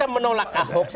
saya menolak ahok